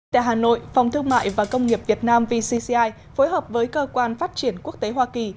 tại hà nội phòng thương mại và công nghiệp việt nam vcci phối hợp với cơ quan phát triển quốc tế hoa kỳ